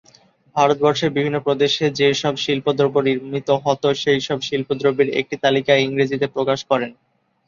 ভারতবর্ষের বিভিন্ন প্রদেশে যে সব শিল্প দ্রব্য নির্মিত হত সেই সব শিল্প দ্রব্যের একটি তালিকা ইংরাজীতে প্রকাশ করেন।